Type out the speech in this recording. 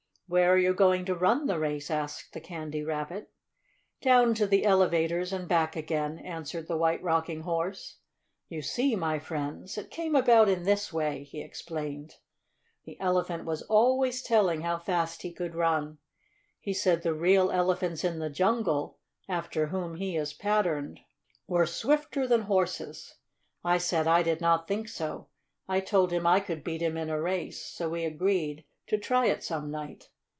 "Where are you going to run the race?" asked the Candy Rabbit. "Down to the elevators and back again," answered the White Rocking Horse. "You see, my friends, it came about in this way," he explained. "The Elephant was always telling how fast he could run. He said the real elephants in the jungle, after whom he is patterned, were swifter than horses. I said I did not think so. I told him I could beat him in a race, so we agreed to try it some night.